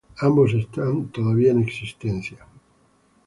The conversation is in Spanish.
Ambos están todavía en existencia.